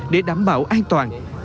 để đảm bảo an toàn